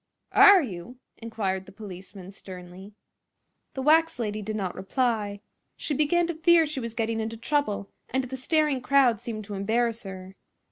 "Are you?" inquired the policeman, sternly. The wax lady did not reply. She began to fear she was getting into trouble, and the staring crowd seemed to embarrass her.